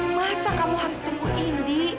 masa kamu harus tunggu indi